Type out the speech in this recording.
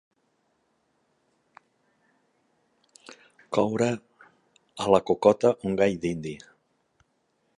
Coure a la cocota un gall dindi.